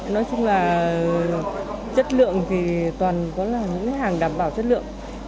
nói chung là chất lượng thì toàn có là những hàng đảm bảo chất lượng